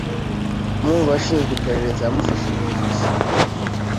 Umwe mu bashinzwe iperereza yamufashe mu ijosi.